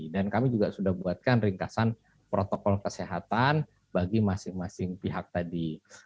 dan kami juga sudah buatkan ringkasan protokol kesehatan bagi masing masing pihak tadi